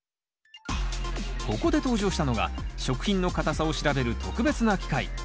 ここで登場したのが食品の硬さを調べる特別な機械。